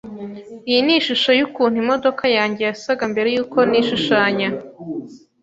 Iyi ni ishusho yukuntu imodoka yanjye yasaga mbere yuko nishushanya.